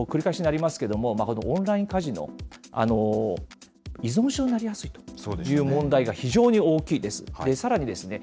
繰り返しになりますけれども、オンラインカジノ、依存症になりやすいという問題が非常に大きいです。